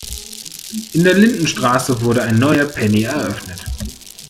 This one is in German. In der Lindenstraße wurde ein neuer Penny eröffnet.